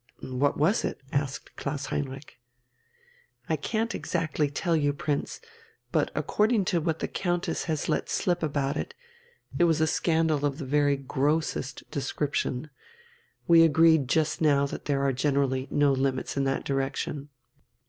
"What was it?" asked Klaus Heinrich. "I can't exactly tell you, Prince. But, according to what the Countess has let slip about it, it was a scandal of the very grossest description we agreed just now that there are generally no limits in that direction."